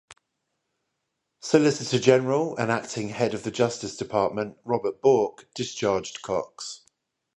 Solicitor General and acting head of the Justice Department Robert Bork discharged Cox.